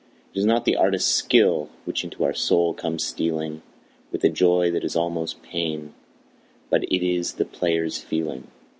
It is not the artist's skill which into our soul comes stealing With a joy that is almost pain, but it is the player's feeling.